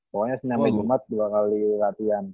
pokoknya senin sampe jumat dua kali latihan